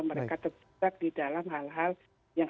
mereka terjebak di dalam hal hal yang